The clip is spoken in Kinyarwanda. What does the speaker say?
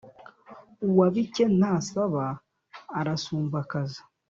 Uwabike ntasaba arasumbakaza.